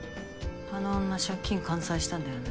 あの女借金完済したんだよな。